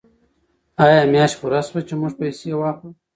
آیا میاشت پوره شوه چې موږ پیسې واخلو؟